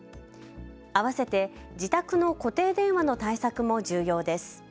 あわせて自宅の固定電話の対策も重要です。